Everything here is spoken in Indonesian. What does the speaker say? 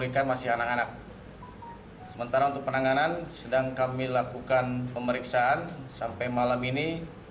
kami sedang melakukan pemeriksaan sampai malam ini